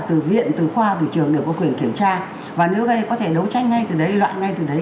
từ viện từ khoa từ trường đều có quyền kiểm tra và nếu có thể đấu tranh ngay từ đấy loạn ngay từ đấy